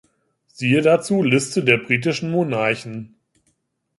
Siehe dazu Liste der britischen Monarchen.